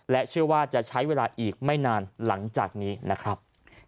เชื่อว่าจะใช้เวลาอีกไม่นานหลังจากนี้นะครับ